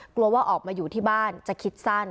กลัวว่าออกมาอยู่ที่บ้านจะคิดสั้น